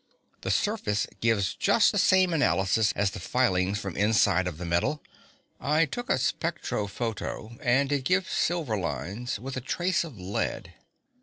The surface gives just the same analysis as the filings from the inside of the metal. I took a spectro photo and it gives silver lines with a trace of lead.